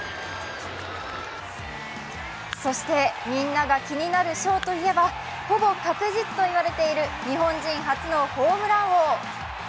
そして、みんなが気になる賞といえば、ほぼ確実といわれている日本人初のホームラン王。